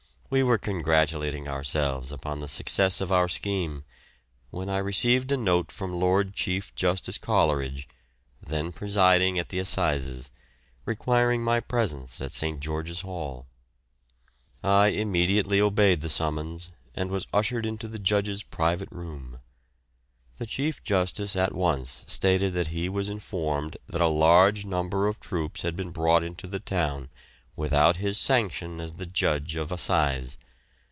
We were congratulating ourselves upon the success of our scheme, when I received a note from Lord Chief Justice Coleridge, then presiding at the assizes, requiring my presence at St. George's Hall. I immediately obeyed the summons, and was ushered into the judge's private room. The Chief Justice at once stated that he was informed that a large number of troops had been brought into the town, without his sanction as the Judge of Assize.